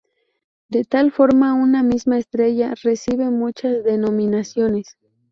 De tal forma, una misma estrella recibe muchas denominaciones.